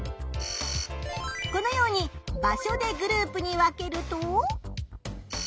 このように場所でグループに分けると。